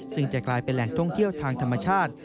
ซึ่งจะกลายเป็นแหล่งท่องเที่ยวทางธรรมชาติ